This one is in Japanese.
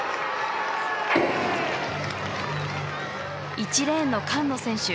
１レーンの菅野選手。